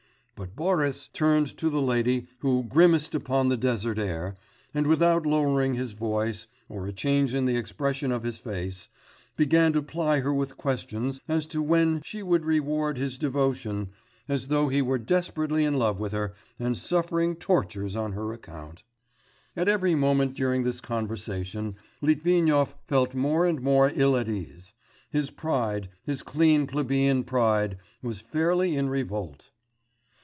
but Boris turned to the lady who 'grimaced upon the desert air' and without lowering his voice, or a change in the expression of his face, began to ply her with questions as to when 'she would reward his devotion,' as though he were desperately in love with her and suffering tortures on her account. At every moment during this conversation Litvinov felt more and more ill at ease. His pride, his clean plebeian pride, was fairly in revolt.